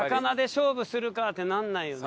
勝負するかってなんないよね。